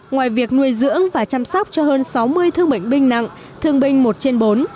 ngoài việc nuôi dưỡng và chăm sóc cho hơn sáu mươi thương bệnh binh nặng thương binh một trên bốn